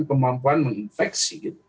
kemampuan menginfeksi gitu